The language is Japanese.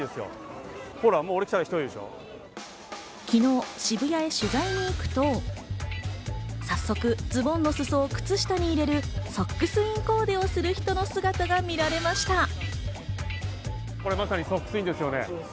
昨日、渋谷へ取材に行くと早速、ズボンの裾を靴下に入れるソックスインコーデをする人の姿が見られました。